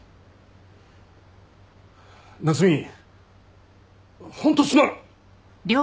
夏海ホントすまん！